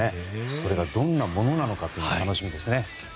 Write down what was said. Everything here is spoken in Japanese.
それがどんなものなのか楽しみですね。